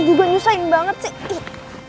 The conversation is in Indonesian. juga nyusahin banget sih